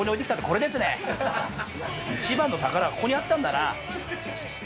一番の宝はここにあったんだな。